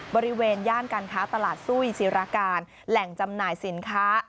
บริเวณย่านการค้าตลาดซุ้ยศิราการแหล่งจำหน่ายสินค้า